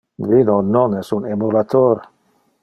Vino non es un emulator.